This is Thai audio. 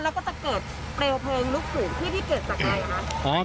แล้วก็จะเกิดเปลวเพลิงลุกสูงที่ที่เกิดจากอะไรคะ